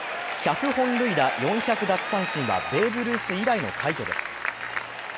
１００本塁打・４００奪三振はベーブ・ルース以来の快挙です。